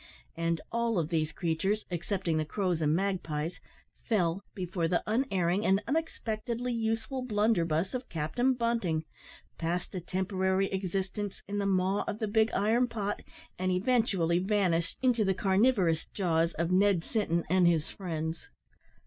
And all of these creatures, excepting the crows and magpies, fell before the unerring and unexpectedly useful blunderbuss of Captain Bunting, passed a temporary existence in the maw of the big iron pot, and eventually vanished into the carnivorous jaws of Ned Sinton and his friends.